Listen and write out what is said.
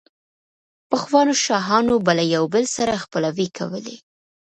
پخوانو شاهانو به له يو بل سره خپلوۍ کولې،